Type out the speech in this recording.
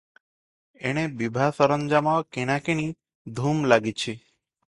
ଏଣେ ବିଭା ସରଞ୍ଜାମ କିଣାକିଣି ଧୁମ୍ ଲାଗିଛି ।